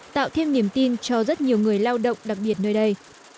tạo thêm niềm tin cho rất nhiều người lao động đặc biệt nơi đây